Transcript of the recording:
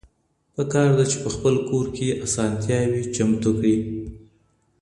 پکار ده، چي په خپل کور کي اسانتياوي چمتو کړي.